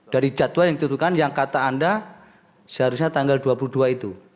dari jadwal yang ditentukan yang kata anda seharusnya tanggal dua puluh dua itu